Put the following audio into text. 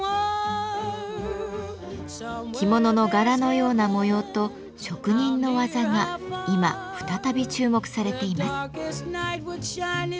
着物の柄のような模様と職人の技が今再び注目されています。